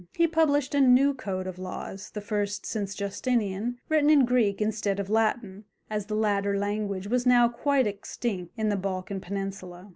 He published a new code of laws, the first since Justinian, written in Greek instead of Latin, as the latter language was now quite extinct in the Balkan Peninsula.